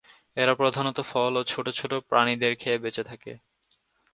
এরা প্রধানত ফল ও ছোটো ছোটো প্রাণীদের খেয়ে বেঁচে থাকে।